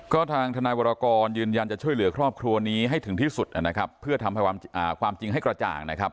ก็ทางทนายวรกรยืนยันจะช่วยเหลือครอบครัวนี้ให้ถึงที่สุดนะครับเพื่อทำความจริงให้กระจ่างนะครับ